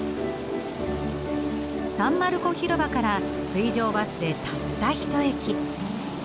サン・マルコ広場から水上バスでたった一駅。